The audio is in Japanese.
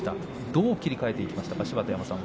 どう切り替えていきましたか。